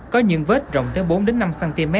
có những vết rộng tới bốn năm cm